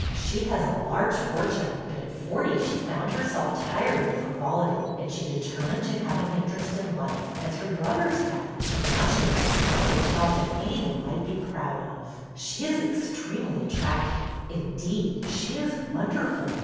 She has a large fortune, but at forty she found herself tired of frivolity, and she determined to have an interest in life, as her brothers had, and now she has a clientele that any one might be proud of. She is extremely attractive. Indeed, she is wonderful.